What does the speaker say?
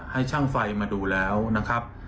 ให้ช่างไฟมาดูแล้วนะครับ